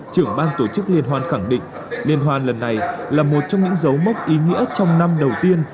trưởng ban tổ chức liên hoan khẳng định liên hoan lần này là một trong những dấu mốc ý nghĩa trong năm đầu tiên